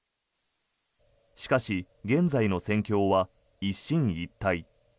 しかし、現在の戦況は一進一退。